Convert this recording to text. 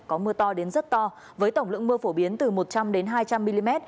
có mưa to đến rất to với tổng lượng mưa phổ biến từ một trăm linh hai trăm linh mm